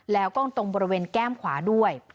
แล้วก็ตรงบริเวณแก้มขวาด้วย